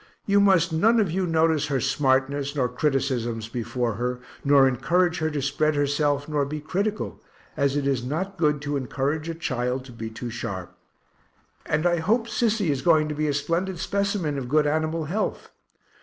You must none of you notice her smartness, nor criticisms, before her, nor encourage her to spread herself nor be critical, as it is not good to encourage a child to be too sharp and I hope Sissy is going to be a splendid specimen of good animal health.